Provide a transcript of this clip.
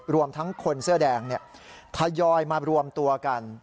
รวมทั้งคนเสื้อแดงทยอยมารวมตัวกัน